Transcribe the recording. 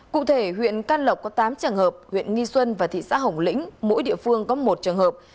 cụ thể huyện can lộc có tám trường hợp huyện nghi xuân và thị xã hồng lĩnh mỗi địa phương có một trường hợp